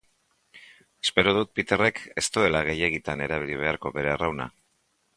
Espero dut Peterrek ez duela gehiegitan erabili beharko bere arrauna.